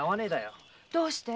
どうして？